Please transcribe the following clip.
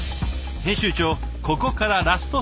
編集長ここからラストスパート。